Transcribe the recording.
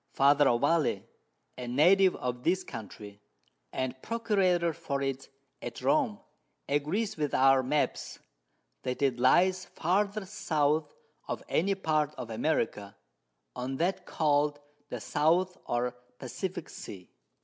Father Ovalle, a Native of this Country, and Procurator for it at Rome, agrees with our Maps, that it lies farthest South of any part of America on that call'd the South or Pacifick Sea.